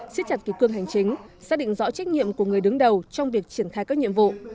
xiết chặt kỳ cương hành chính xác định rõ trách nhiệm của người đứng đầu trong việc triển khai các nhiệm vụ